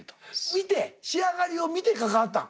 見て仕上がりを見て書かはったん？